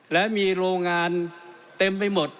และมีโรงงานเต็มไปหมด